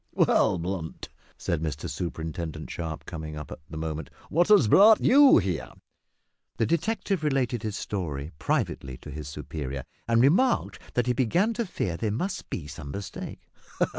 "Well, Blunt," said Mr Superintendent Sharp, coming up at that moment, "what has brought you here?" The detective related his story privately to his superior, and remarked that he began to fear there must be some mistake.